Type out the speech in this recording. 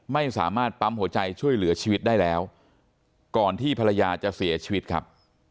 ไม่สามารถปั๊มหัวใจช่วยเหลือชีวิตได้แล้วก่อนที่ภรรยาจะเสียชีวิตครับ